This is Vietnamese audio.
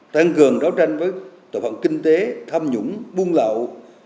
tăng cường đấu tranh với tội phạm kinh tế tham nhũng buôn lậu